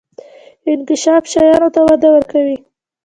انکشاف شیانو ته وده ورکوي.